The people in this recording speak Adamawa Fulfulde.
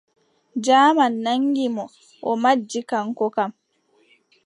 Jaaman naŋgi mo, o majji kaŋko kam.